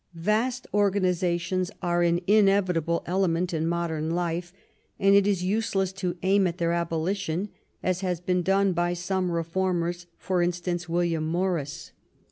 Vast organizations are an inevitable element in modern life, and it is useless to aim at their abolition, as has been done by some reformers, for instance, William Morris.